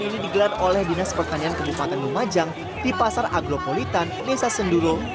yang digelar oleh dinas pertanian kebupatan lumajang di pasar aglopolitan nesa sendulung